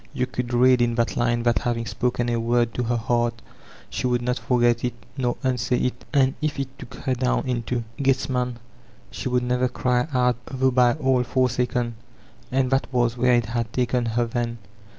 You could read in that line that having spoken a word to her heart, she would not forget it nor unsay it ; and if h took her down into Gethsemane, she would never cry out though by all forsaken. And that was where it had taken her then.